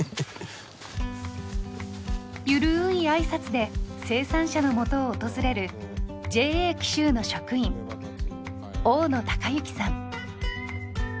ゆるーいあいさつで生産者のもとを訪れるＪＡ紀州の職員大野隆之さん。